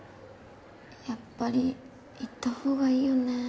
やっぱり言ったほうがいいよね。